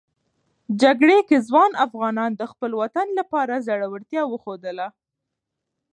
جګړې کې ځوان افغانان د خپل وطن لپاره زړورتیا وښودله.